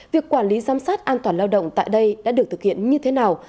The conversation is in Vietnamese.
việc quản lý giám sát an toàn lao động tại đây đã được thực hiện như thế nào